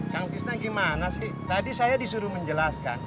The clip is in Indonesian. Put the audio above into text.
kang tisna gimana sih tadi saya disuruh menjelaskan